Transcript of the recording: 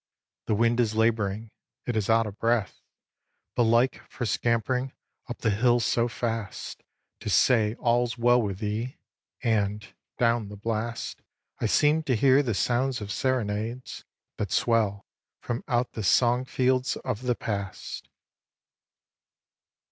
The wind is labouring: it is out of breath; Belike for scampering up the hill so fast To say all's well with thee; and, down the blast, I seem to hear the sounds of serenades That swell from out the song fields of the past.